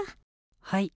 はい。